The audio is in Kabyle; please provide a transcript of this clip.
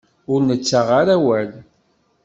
Ur nettaɣ ara awal.